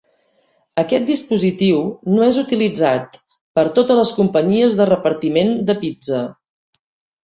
Aquest dispositiu no és utilitzat per totes les companyies de repartiment de pizza.